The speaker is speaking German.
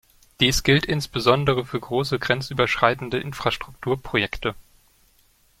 Dies gilt insbesondere für große grenzüberschreitende Infrastrukturprojekte.